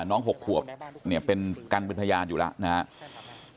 น้อง๖ผัวเนี่ยเป็นกรรมพยายามอยู่แล้วนะครับ